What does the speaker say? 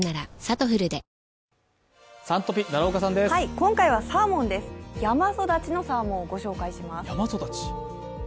今回はサーモンです、山育ちのサーモンを御紹介します。